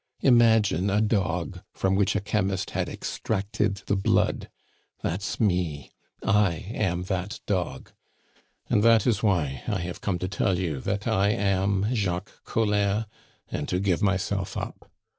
Imagine a dog from which a chemist had extracted the blood. That's me! I am that dog "And that is why I have come to tell you that I am Jacques Collin, and to give myself up.